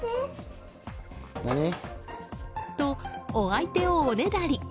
お相手をおねだり。